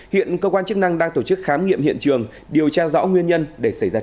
hiện cơ quan chức năng đang tổ chức khám nghiệm hiện trường điều tra rõ nguyên nhân để xảy ra